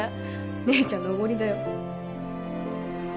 姉ちゃんのおごりだよ